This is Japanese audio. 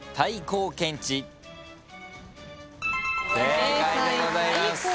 正解でございます。